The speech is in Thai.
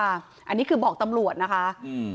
อันนี้คือบอกตำรวจนะคะอืม